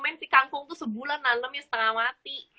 main si kangkung tuh sebulan nanemnya setengah mati